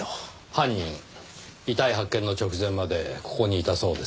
犯人遺体発見の直前までここにいたそうですねぇ。